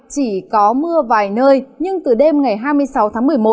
chỉ có mưa vài nơi nhưng từ đêm ngày hai mươi sáu tháng một mươi một